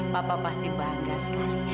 bapak pasti bangga sekali